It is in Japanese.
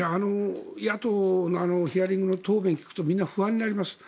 野党のヒアリングの答弁を聞くとみんな不安になります。